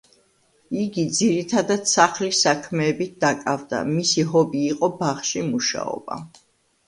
იგი ძირითადად სახლის საქმეებით დაკავდა, მისი ჰობი იყო ბაღში მუშაობა.